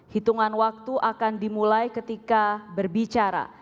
hitungan waktu akan dimulai ketika berbicara